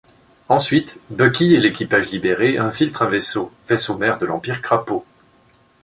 Ensuite, Bucky et l'équipage libéré infiltrent un vaisseau, vaisseau-mère de l'empire Krapo.